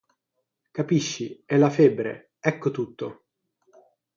Capisci, è la febbre, ecco tutto.